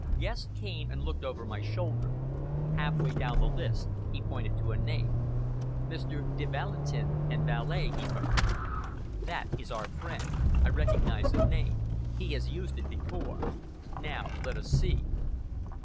Guest came and looked over my shoulder. Half way down the list he pointed to a name. "Mr. de Valentin and valet!" he murmured. "That is our friend. I recognize the name. He has used it before! Now let us see."